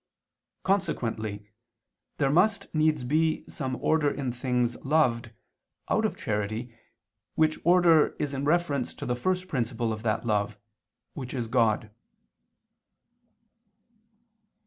Consequently there must needs be some order in things loved out of charity, which order is in reference to the first principle of that love, which is God.